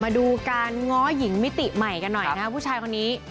มาดูการง้อหญิงมิติใหม่กันหน่อยนะครับผู้ชายคนนี้